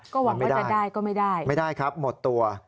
ก็หวังว่าจะได้ก็ไม่ได้ไม่ได้ครับหมดตัว